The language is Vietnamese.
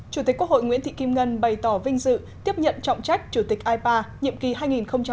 chủ tịch quốc hội nguyễn thị kim ngân bày tỏ vinh dự tiếp nhận trọng trách chủ tịch ipa nhiệm kỳ hai nghìn hai mươi hai nghìn hai mươi